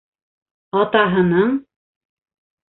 Атаһының: